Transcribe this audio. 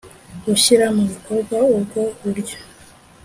Gushyira mu bikorwa ubwo buryo